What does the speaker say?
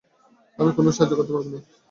আমি কোনো সাহায্য করতে পারবো না।